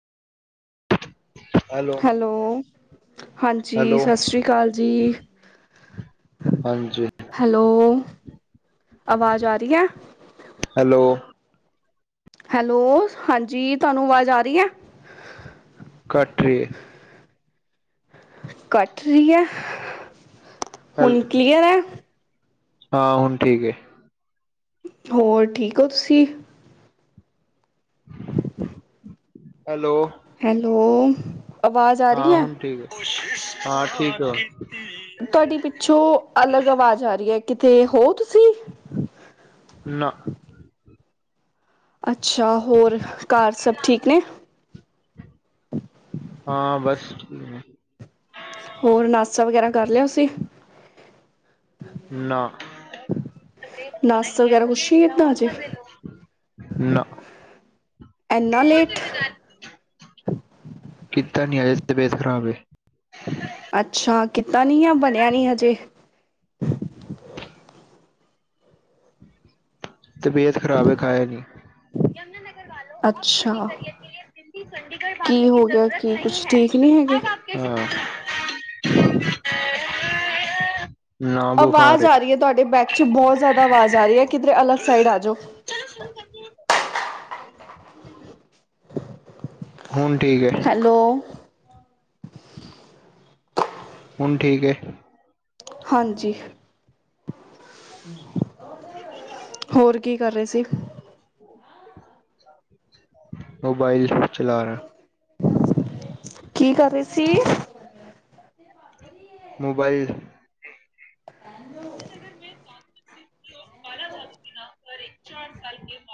Hello [inaudible] ਹਾਂਜੀ hello ਛਸ਼੍ਰੀ ਕਾਲ ਜੀ। ਹਾਂਜੀ ਹੈਲੋ [inaudible] ਅਵਾਜ਼ ਆ ਰਹੀ ਐ। ਹੈਲੋ। ਹੈਲੋ, ਹਾਂਜੀ, ਤੁਹਾਨੂੰ ਆਵਾਜ਼ ਆ ਰਹੀ ਐ। ਕੱਟ ਰਹੀ ਐ। ਕੱਟ ਰਹੀ ਐ, ਹੈਲ ਹੁਣ ਕਲੀਅਰ ਐ। ਹਾਂ ਹੁਣ ਠੀਕ ਐ। ਹੋਰ ਠੀਕ ਓ ਤੁਸੀਂ? ਹੈਲੋ। ਹੈਲੋ। ਆਵਾਜ਼ ਆ ਰਹੀ ਹਾਂ ਹੈ ਹੁਣ ਠੀਕ ਐ ਹਾਂ ਠੀਕ ਆ। ਤੁਹਾਡੀ ਪਿੱਛੋਂ ਅਲੱਗ ਅਵਾਜ਼ ਆ ਰਹੀ ਏ, ਕਿਤੇ ਹੋ ਤੁਸੀਂ? ਨਾ। ਅੱਛਾ, ਹੋਰ ਘਰ ਸਭ ਠੀਕ ਨੇ। ਹਾਂ, ਬੱਸ ਠੀਕ। ਹੋਰ ਨਾਸਾ ਵਗੈਰਾ ਕਰ ਲਿਆ ਸੀ। ਨਾ। ਹੋਣਾ ਨਾਸ਼ਤਾ ਹੀ ਹੈ ਵਗੈਰਾ ਕੁਛ ਲੈਟ ਨਹੀਂ ਜਾਓ ਕੀਤਾ ਔਰ ਹਜੇ ਮਜ਼ੇ ਲੋ, ਨਾ। ਐੰਨਾ ਲੇਟ। ਕੀਤਾ ਨੀ ਅਜੇ, ਤਬੀਅਤ ਖਰਾਬ ਏ। ਅੱਛਾ, ਕੀਤਾ ਨੀ, ਜਾਂ ਬਣਿਆ ਨੀ ਹਜੇ। ਤਬੀਅਤ ਖ਼ਰਾਬ ਏ ਖਾਇਆ ਨੀ। ਅੱਛਾ। ਦੀਦੀ ਚੰਡੀਗੜ੍ਹ ਕੀ ਭਾਗਣੇ ਦੀ ਹੋ ਗਿਆ ਜ਼ਰੂਰਤ ਕੀ ਨਹੀਂ ਕੁਛ ਹੈ। ਠੀਕ ਨਹੀਂ ਹੈਗੇ? ਹਰ ਵਖਤ ਹਾਂ' ' [unintelligible] ਆਵਾਜ਼ ਆ ਰਹੀ ਐ ਤੁਹਾਡੇ ਬੈਕ 'ਚ' ਬਹੁਤ ਜ਼ਿਆਦਾ ਆਵਾਜ਼ ਆ ਰਹੀ ਐ ਕਿਧਰੇ ਅਲੱਗ ਸਾਈਡ ਆ ਜਾਓ। ਹੁਣ ਠੀਕ ਏ। ਹੈਲੋ। ਹੁਣ ਠੀਕ ਏ। ਹਾਂਜੀ। ਹੋਰ ਕੀ ਕਰ ਰਹੇ ਸੀ। ਮੋਬਾਈਲ ਚਲਾ ਰਿਹਾ। ਕੀ ਕਰ ਰਹੇ ਸੀ। ਮੋਬਾਈਲ। [unintelligible]